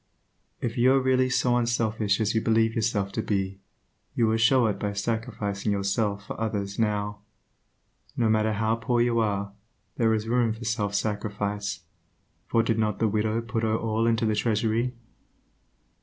If you are really so unselfish as you believe yourself to be, you will show it by sacrificing yourself for others now. No matter how poor you are, there is room for self sacrifice, for did not the widow put her all into the treasury?